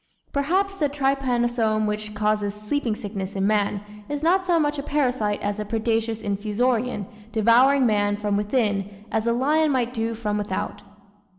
Perhaps the trypanosome which causes sleeping sickness in man is not so much a parasite as a predacious Infusorian devouring man from within as a lion might do from without.